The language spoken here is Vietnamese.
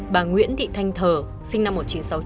bà nguyễn thị thanh thờ sinh năm một nghìn chín trăm sáu mươi